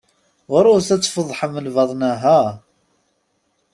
Ɣuṛwet ad tfeḍḥem lbaḍna! ha!